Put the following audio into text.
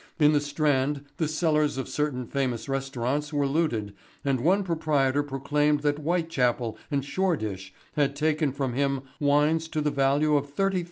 In the Strand the cellars of certain famous restaurants were looted and one proprietor proclaimed that Whitechapel and Shoreditch had taken from him wines to the value of £30,000.